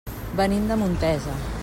Venim de Montesa.